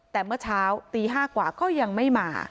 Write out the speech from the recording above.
แต่เมื่อเช้าตี๕กว่าก็ยังไม่มา